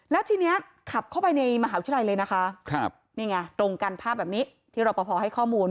แล้วทีนี้ขับเข้าไปในมหาวิทยาลัยเลยนะคะนี่ไงตรงกันภาพแบบนี้ที่รอปภให้ข้อมูล